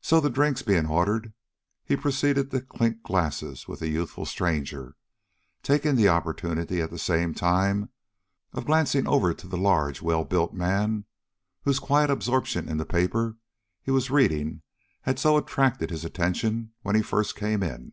So the drinks being ordered, he proceeded to clink glasses with the youthful stranger, taking the opportunity, at the same time, of glancing over to the large, well built man whose quiet absorption in the paper he was reading had so attracted his attention when he first came in.